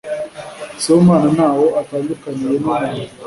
Sibomana ntaho atandukaniye numuntu.